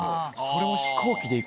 それも。